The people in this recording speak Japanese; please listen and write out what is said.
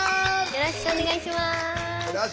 よろしくお願いします。